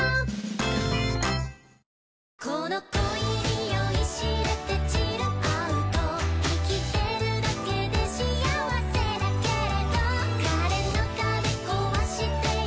この恋に酔い痴れてチルアウト生きてるだけで幸せだけれど彼の壁壊してよ